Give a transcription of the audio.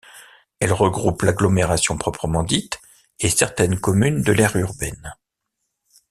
Elle regroupe l'agglomération proprement dite et certaines communes de l'aire urbaine.